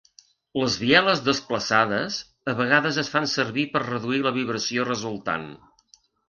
Les bieles desplaçades, a vegades es fan servir per reduir la vibració resultant.